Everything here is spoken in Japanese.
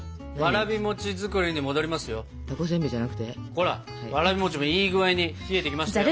ほらわらび餅もいい具合に冷えてきましたよ。